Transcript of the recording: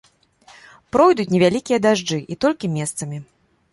Пройдуць невялікія дажджы і толькі месцамі.